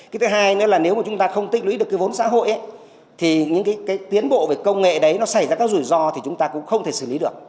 cái thứ hai nữa là nếu mà chúng ta không tích lũy được cái vốn xã hội thì những cái tiến bộ về công nghệ đấy nó xảy ra các rủi ro thì chúng ta cũng không thể xử lý được